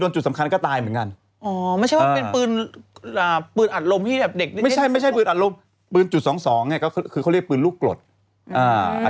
เจ้าที่เฉยคุณพี่